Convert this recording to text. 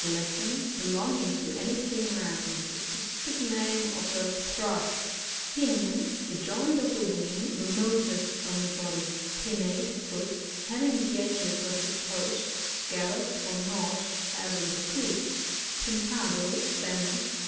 — Latin. Belonging to any thing round. The specific nam» of a Thrush. Pinion. — The joint of the wing re niotest from the body. Pinnate (foot) — Having the edges of the toes scalloped or notched, as in the Coots. Pintado. — Spanish.